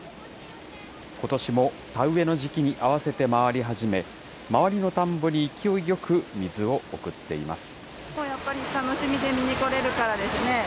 ことしも田植えの時期に合わせて回り始め、周りの田んぼに勢いよく水を送っています。